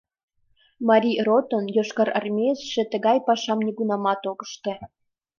Марий ротын йошкарармеецше тыгай пашам нигунамат ок ыште.